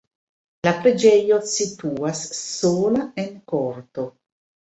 La preĝejo situas sola en korto.